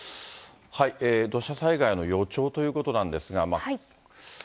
土砂災害の予兆ということなんですが。